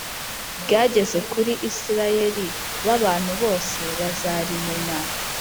ryageze kuri Isirayeli b Abantu bose bazarimenya